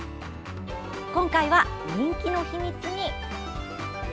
今回は人気の秘密に。